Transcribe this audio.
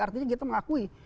artinya kita mengakui